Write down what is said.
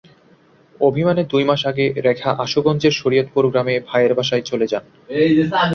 অভিমানে দুই মাস আগে রেখা আশুগঞ্জের শরীয়তপুর গ্রামে ভাইয়ের বাসায় চলে যান।